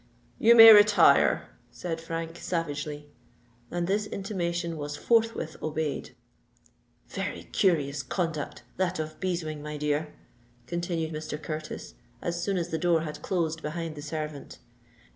"You may retire," said Frank, savagely; and this intimation was forthwith obeyed. "Very curious conduct, that of Beeswing, my dear?" continued Mr. Curtis, as soon as the door had closed behind the servant.